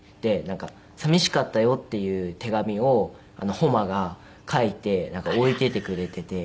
なんか寂しかったよっていう手紙を誉が書いて置いていてくれていて。